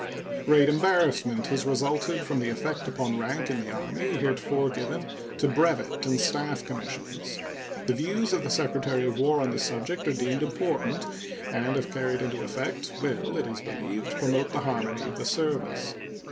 Great embarrassment has resulted from the effect upon rank in the Army heretofore given to brevet and staff commissions. The views of the Secretary of War on this subject are deemed important, and if carried into effect will, it is believed, promote the harmony of the service.